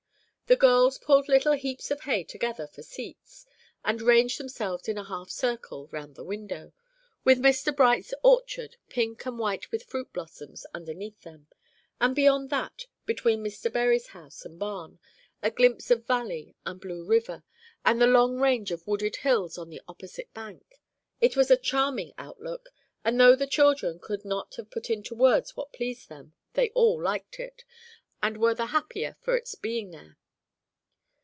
The girls pulled little heaps of hay together for seats, and ranged themselves in a half circle round the window, with Mr. Bright's orchard, pink and white with fruit blossoms, underneath them; and beyond that, between Mr. Bury's house and barn, a glimpse of valley and blue river, and the long range of wooded hills on the opposite bank. It was a charming out look, and though the children could not have put into words what pleased them, they all liked it, and were the happier for its being there.